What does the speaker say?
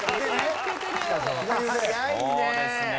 早いね！